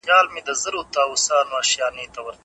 خو دوامداره هڅه تل مېوه ورکوي.